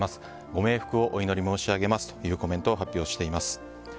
ご冥福をお祈り申し上げますというコメントを発表しています。